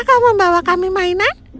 apakah kamu membawa kami mainan